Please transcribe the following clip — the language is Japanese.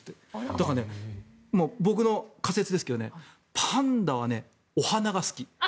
だから、僕の仮説ですけどパンダはお花が好き。